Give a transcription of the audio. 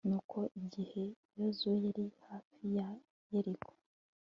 nuko igihe yozuwe yari hafi ya yeriko